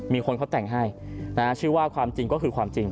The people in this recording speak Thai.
มีคนเขาแต่งให้ชื่อว่าความจริงก็คือความจริง